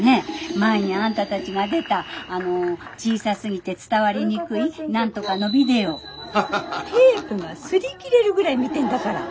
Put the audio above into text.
前にあんたたちが出たあの小さすぎて伝わりにくい何とかのビデオテープが擦り切れるぐらい見てんだから。